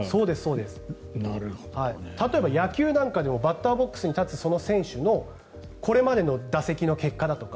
例えば野球なんかでもバッターボックスに立つその選手のこれまでの打席の結果だとか